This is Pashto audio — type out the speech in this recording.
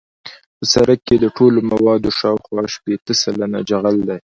په سرک کې د ټولو موادو شاوخوا شپیته سلنه جغل دی